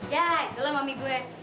ya itu lah mami gue